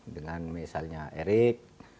dengan misalnya erickson